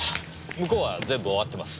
向こうは全部終わってます。